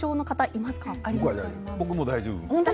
僕は大丈夫。